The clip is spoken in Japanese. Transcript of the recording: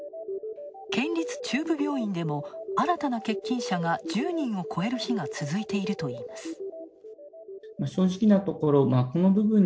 県立中部病院でも新たな欠勤者が１０人を超える日が続いているといいます。